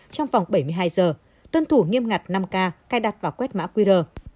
trong vòng bảy mươi hai giờ tuân thủ nghiêm ngặt năm k cài đặt vào quét mã qr